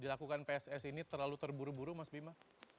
dilakukan pssi ini terlalu terburu buru mas bima